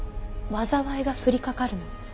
災いが降りかかるの。